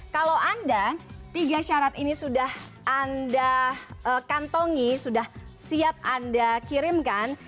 kalau anda tiga syarat ini sudah anda kantongi sudah siap anda kirimkan